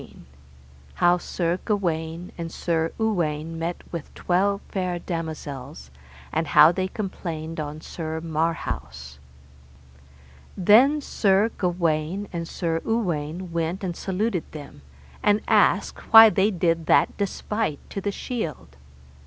How Sir Gawaine and Sir Uwaine met with twelve fair damosels, and how they complained on Sir Marhaus. Then Sir Gawaine and Sir Uwaine went and saluted them, and asked why they did that despite to the shield.